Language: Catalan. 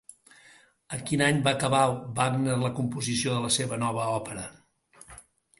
En quin any va acabar Wagner la composició de la seva nova òpera?